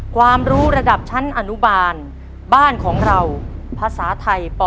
ความรู้ระดับชั้นอนุบาลบ้านของเราภาษาไทยป๕